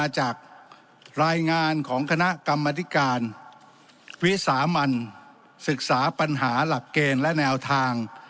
จากรายงานของคณะกรรมธิการวิสามันศึกษาปัญหาหลักเกณฑ์และแนวทาง